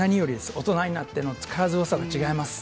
大人になっての力強さが違います。